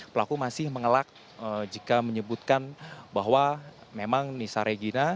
pelaku masih mengelak jika menyebutkan bahwa memang nisa regina